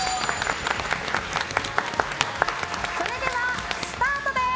それではスタートです！